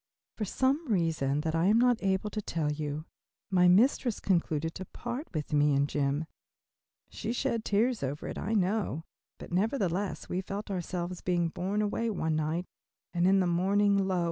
For some reason that I am not able to tell you, my mistress concluded to part with me and Jim. She shed tears over it, I know, but nevertheless we felt ourselves being borne away one night, and in the morning, lo!